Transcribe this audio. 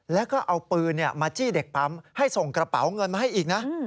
แล้วก็เอาปืนมาจี้เด็กปั๊มให้ส่งกระเป๋าเงินมาให้อีกนะ